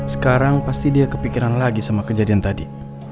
sekarang pasti dia kepikiran lagi sama kejadian tadi